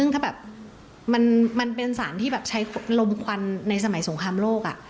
ถ้าแบบมันเป็นสารที่แบบใช้ลมควันในสมัยสงครามโลก